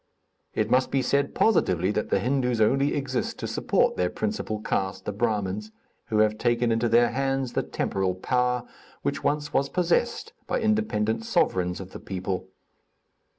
It must be said positively that the Hindus only exist to support their principal caste, the Brahmins, who have taken into their hands the temporal power which once was possessed by independent sovereigns of the people.